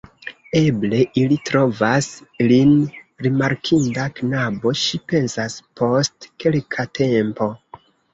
Eble ili trovas lin rimarkinda knabo, ŝi pensas post kelka tempo.